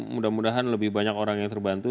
mudah mudahan lebih banyak orang yang terbantu